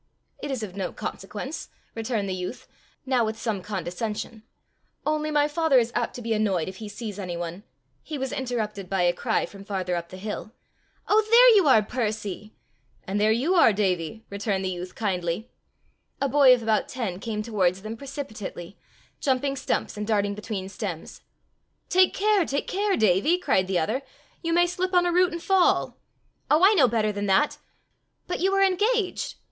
"It is of no consequence," returned the youth, now with some condescension; "only my father is apt to be annoyed if he sees any one " He was interrupted by a cry from farther up the hill "Oh, there you are, Percy!" "And there you are, Davie!" returned the youth kindly. A boy of about ten came towards them precipitately, jumping stumps, and darting between stems. "Take care, take care, Davie!" cried the other: "you may slip on a root and fall!" "Oh, I know better than that! But you are engaged!"